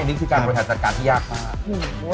อันนี้คือการประวัติศัตริย์การที่ยากมาก